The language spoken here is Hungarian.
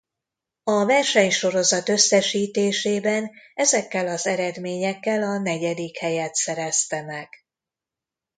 A versenysorozat összesítésében ezekkel az eredményekkel a negyedik helyet szerezte meg.